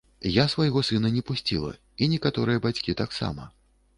Я свайго сына не пусціла, і некаторыя бацькі таксама.